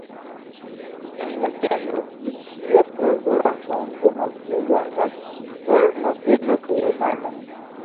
En la ĝenro fikcia prozo, rakonto malpli longas ol novelo kaj romano.